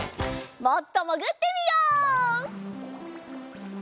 もっともぐってみよう！